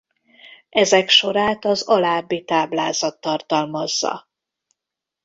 Ezek sorát az alábbi táblázat tartalmazza.